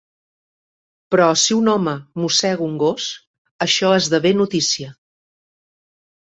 Però si un home mossega un gos, això esdevé notícia.